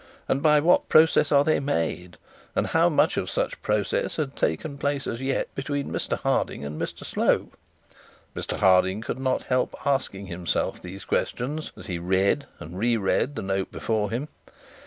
And by what process are they made? And how much of such process had taken place as yet between Mr Harding and Mr Slope? Mr Harding could not help asking himself these questions as he read and re read the note before him.